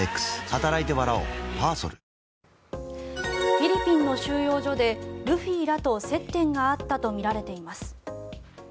フィリピンの収容所でルフィらと接点があったとみられています。